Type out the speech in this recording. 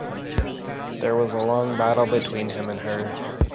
There was a long battle between him and her.